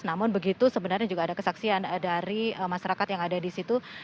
namun begitu sebenarnya juga ada kesaksian dari masyarakat yang ada di situ